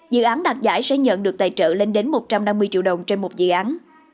dự án đạt giải sẽ nhận được tài trợ lên đến một trăm năm mươi triệu đồng trên một dự án